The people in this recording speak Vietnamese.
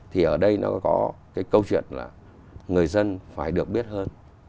thì ở đây nó có cái câu chuyện là người dân phải được biết hơn